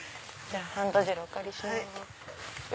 ハンドジェルお借りします。